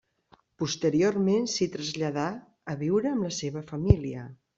Posteriorment s'hi traslladà a viure amb la seva família.